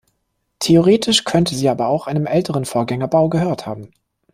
Theoretisch könnte sie aber auch zu einem älteren Vorgängerbau gehört haben.